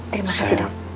terima kasih dok